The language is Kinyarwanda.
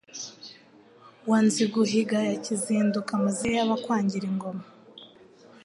Wa Nziguhiga ya Kizinduka, Amazimwe y’abakwangira ingoma,